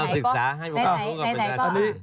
เอาศึกษาให้บุคคลกับประจาน